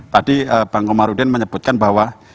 tadi bang komarudin menyebutkan bahwa